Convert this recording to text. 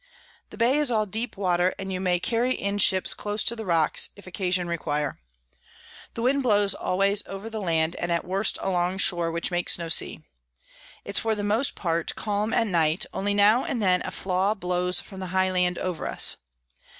The Bay is all deep Water, and you may carry in Ships close to the Rocks, if occasion require. The Wind blows always over the Land, and at worst along shore, which makes no Sea. It's for the most part calm at night, only now and then a Flaw blows from the high Land over us.